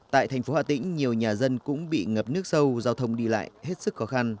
tại thành phố hà tĩnh nhiều nhà dân cũng bị ngập nước sâu giao thông đi lại hết sức khó khăn